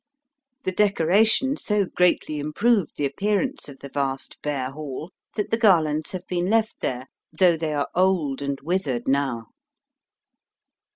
The decoration so greatly improved the appearance of the vast bare hall, that the garlands have been left there, though they are old and withered now.